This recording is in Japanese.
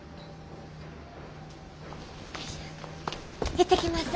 行ってきます。